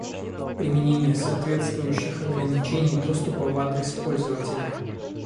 Применение соответствующих ограничений доступа в адрес пользователя